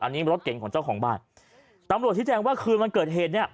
อันนี้รถเก่งของเจ้าของบ้านตำรวจที่แจ้งว่าคืนวันเกิดเหตุเนี่ย